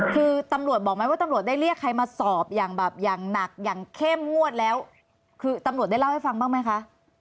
คือตำรวจบอกไหมว่าตำรวจได้เรียกใครมาสอบอย่างแบบอย่างหนักอย่างเข้มงวดแล้วคือตำรวจได้เล่าให้ฟังบ้างไหมคะ